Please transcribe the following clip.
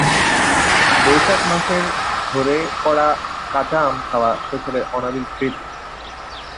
বৈশাখ মাসের ঝড়ে পড়া কাঁচা আম খাওয়া শৈশবের অনাবিল স্মৃতি।